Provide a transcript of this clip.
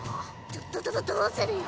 どっどどどうするよ？